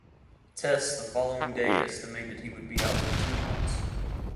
Tests the following day estimated he would be out for two months.